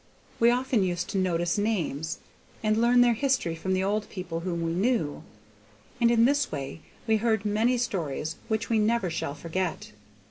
We often used to notice names, and learn their history from the old people whom we knew, and in this way we heard many stories which we never shall forget.